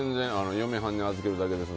嫁はんに預けるだけです。